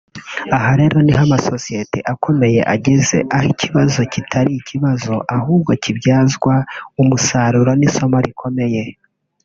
Aha rero niho amasosiyete akomeye ageze aho ikibazo kitakiri ikibazo ahubwo kibyazwa umusarururo n’isomo rikomeye